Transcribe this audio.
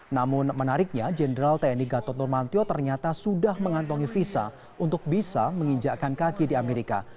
namun menariknya jenderal tni gatot nurmantio ternyata sudah mengantongi visa untuk bisa menginjakkan kaki di amerika